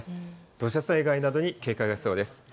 土砂災害などに警戒が必要です。